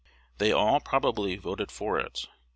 They all, probably, voted for it.